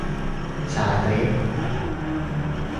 สาหร่ายทะเล ?